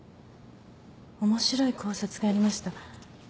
面白い考察がありました。